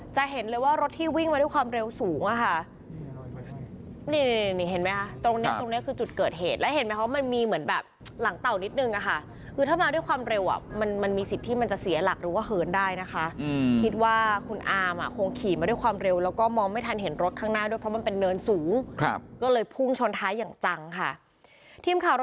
จะเห็นเลยว่ารถที่วิ่งมาด้วยความเร็วสูงอะค่ะ